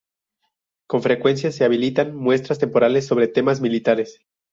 Con frecuencia se habilitan muestras temporales sobre temas militares.